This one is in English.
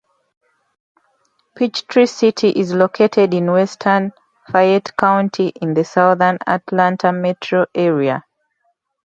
Peachtree City is located in western Fayette County in the southern Atlanta metro area.